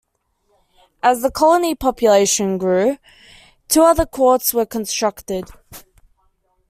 As the colony's population grew, two other courts were constructed.